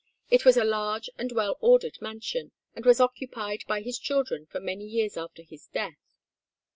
It was a large and well ordered mansion, and was occupied by his children for many years after his death.